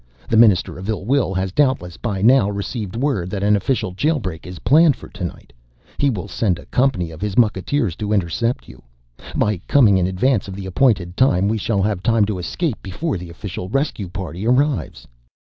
The Minister of Ill Will has doubtless by now received word that an official jail break is planned for tonight. He will send a company of his mucketeers to intercept you. By coming in advance of the appointed time we shall have time to escape before the official rescue party arrives."